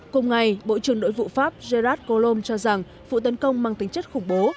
cùng ngày bộ trưởng nội vụ pháp gerard collomb cho rằng vụ tấn công mang tính chất khủng bố